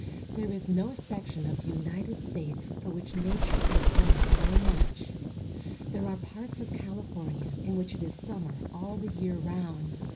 There is no section of the United States for which nature has done so much. There are parts of California in which it is sum mer all the year round.